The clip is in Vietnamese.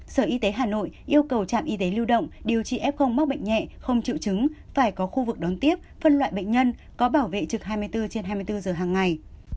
sở y tế hà nội yêu cầu trạm y tế lưu động điều trị f mắc bệnh nhẹ không chịu chứng phải có khu vực đón tiếp phân loại bệnh nhân có bảo vệ trực hai mươi bốn trên hai mươi bốn giờ hàng ngày